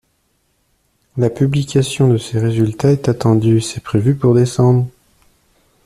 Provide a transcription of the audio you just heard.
La publication de ses résultats est attendue, c’est prévu pour décembre.